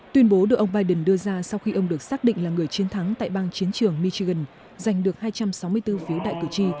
tuyên bố được ông biden đưa ra sau khi ông được xác định là người chiến thắng tại bang chiến trường michigan giành được hai trăm sáu mươi bốn phiếu đại cử tri